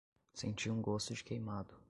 Senti um gosto de queimado